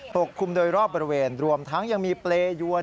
ปกคลุมโดยรอบบริเวณรวมทั้งยังมีเปรยวน